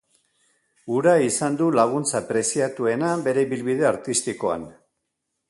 Hura izan du laguntza preziatuena bere ibilbide artistikoan.